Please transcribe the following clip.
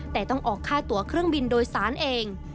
แต่ต้องออกค่าตัวเครื่องบินโดยสารเอง